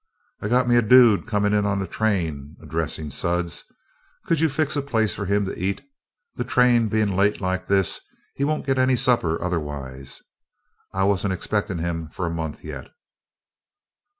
"I got me a dude comin' in on the train," addressing Sudds. "Could you fix a place for him to eat? The train bein' late like this, he won't git any supper otherwise. I wasn't expectin' of him for a month yet."